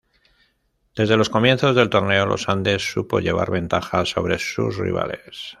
Desde los comienzos del torneo Los Andes supo llevar ventaja sobre sus rivales.